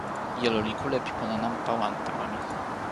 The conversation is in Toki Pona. jelo li kule pi pona nanpa wan tawa mi.